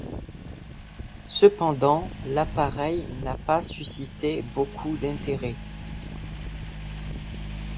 Cependant, l'appareil n'a pas suscité beaucoup d'intérêt.